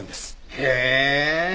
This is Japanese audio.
へえ！